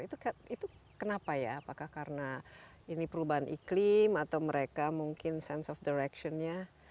itu kenapa ya apakah karena perubahan iklim atau mereka mungkin sense of direction nya